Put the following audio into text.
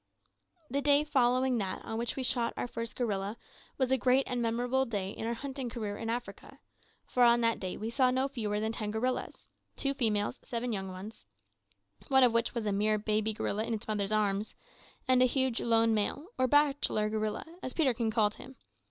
The day following that on which we shot our first gorilla was a great and memorable day in our hunting career in Africa, for on that day we saw no fewer than ten gorillas: two females, seven young ones one of which was a mere baby gorilla in its mother's arms and a huge lone male, or bachelor gorilla, as Peterkin called him.